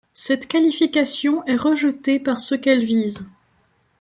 Cette qualification est rejetée par ceux qu'elle vise.